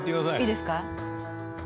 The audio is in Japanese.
いいですか？